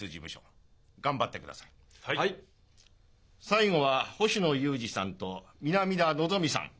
最後は星野雄治さんと南田のぞみさん。